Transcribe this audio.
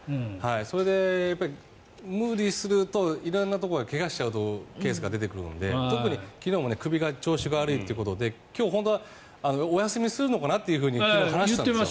それで、無理すると色んなところを怪我するケースが出てくるので特に昨日も首が調子が悪いということで今日、本当はお休みするのかなと昨日話していました。